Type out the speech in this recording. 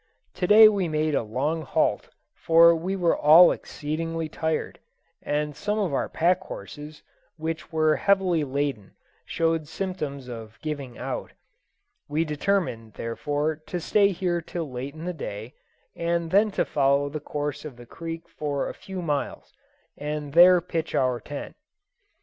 To day we made a long halt, for we were all exceedingly tired, and some of our pack horses, which were heavily laden, showed symptoms of "giving out." We determined, therefore, to stay here till late in the day, and then to follow the course of the creek for a few miles, and there pitch our tent.